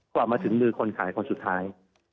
กว่ามาถึงมือคนขายคนสุดท้าย